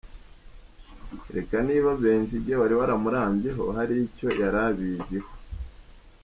Cyeretse niba Benzinge, wari waramurambyeho, hari icyo yari abiziho.